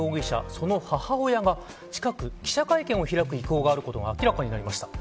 その母親が近く、記者会見を開く意向があることが明らかになりました。